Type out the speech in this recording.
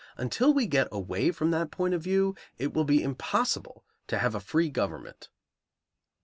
Until we get away from that point of view it will be impossible to have a free government.